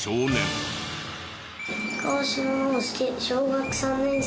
小学３年生です。